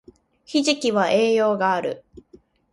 ひじきは栄養がある